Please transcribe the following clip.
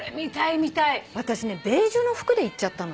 私ねベージュの服で行っちゃったの。